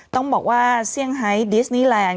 ต้องบอกว่าเซี่ยงไฮดิสนีแลนด์